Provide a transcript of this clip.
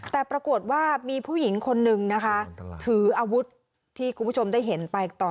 แต่ปรากฏว่ามีผู้หญิงคนนึงนะคะถืออาวุธที่คุณผู้ชมได้เห็นไปต่อ